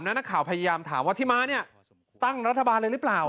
นักข่าวพยายามถามว่าที่มาเนี่ยตั้งรัฐบาลเลยหรือเปล่า